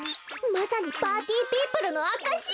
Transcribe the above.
まさにパーティーピープルのあかし！